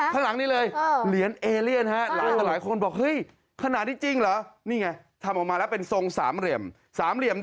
แบบนี้นะฮะข้างหลังนี้เลย